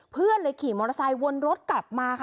เพื่อนเลยขี่มอเตอร์ไซค์วนรถกลับมาค่ะ